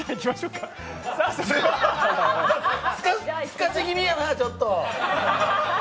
すかしぎみやな、ちょっと！